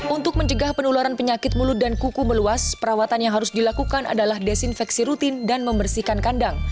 untuk mencegah penularan penyakit mulut dan kuku meluas perawatan yang harus dilakukan adalah desinfeksi rutin dan membersihkan kandang